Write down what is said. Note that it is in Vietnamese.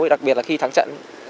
thì đặc biệt là khi thắng trận